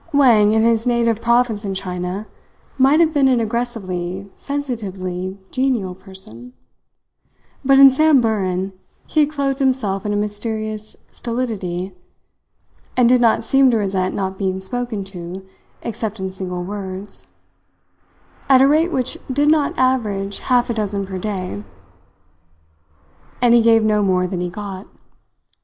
Wang in his native province in China might have been an aggressively, sensitively genial person; but in Samburan he had clothed himself in a mysterious stolidity and did not seem to resent not being spoken to except in single words, at a rate which did not average half a dozen per day. And he gave no more than he got.